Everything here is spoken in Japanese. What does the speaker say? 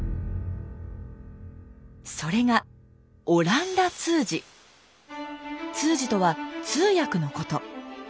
それが「通詞」とは通訳のこと。